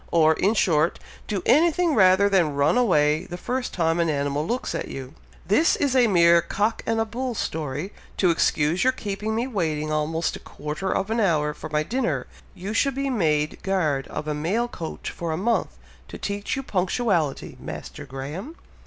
or, in short, do anything rather than run away the first time an animal looks at you. This is a mere cock and a bull story, to excuse your keeping me waiting almost a quarter of an hour for my dinner! you should be made guard of a mail coach for a month, to teach you punctuality, Master Graham."